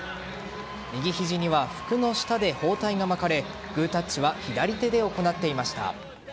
右肘には服の下で包帯が巻かれグータッチは左手で行っていました。